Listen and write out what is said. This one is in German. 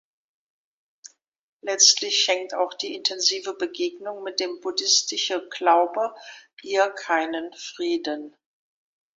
Letztlich schenkt auch die intensive Begegnung mit dem buddhistische Glaube ihr keinen Frieden.